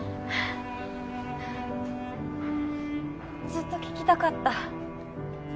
ずっと聞きたかった。